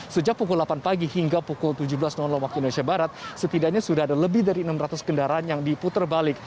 sejak pukul delapan pagi hingga pukul tujuh belas waktu indonesia barat setidaknya sudah ada lebih dari enam ratus kendaraan yang diputar balik